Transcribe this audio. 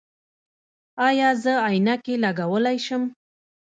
ایا زه عینکې لګولی شم؟